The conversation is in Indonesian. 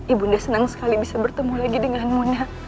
ibunda senang sekali bisa bertemu lagi denganmu